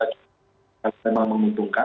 harus memang menguntungkan